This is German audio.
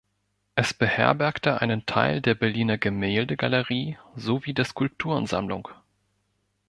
Es beherbergte einen Teil der Berliner Gemäldegalerie sowie der Skulpturensammlung.